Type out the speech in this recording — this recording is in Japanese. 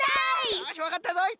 よしわかったぞい。